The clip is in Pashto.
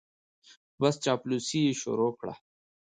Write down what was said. بس چاپلوسي یې شروع کړه.